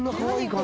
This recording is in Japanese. はい。